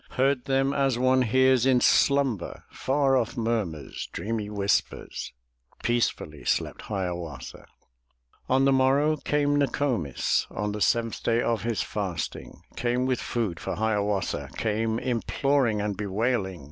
Heard them, as one hears in slumber Far ofif murmurs, dreamy whispers; Peacefully slept Hiawatha. On the morrow came No ko'mis, On the seventh day of his fasting. Came with food for Hiawatha, Came imploring and bewailing.